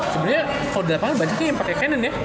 sebenernya kalo di depan banyak yang pake canon ya